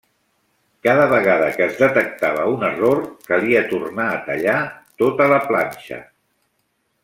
Cada vegada que es detectava un error calia tornar a tallar tota la planxa.